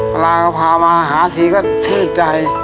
ปลาก็พามาหาสีก็ชื่นใจ